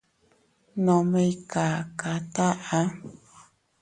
Nome ikaka taʼa.